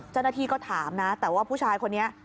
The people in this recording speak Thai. เจ้าหน้าที่ก็ถามนะแต่ว่าผู้ชายคนนี้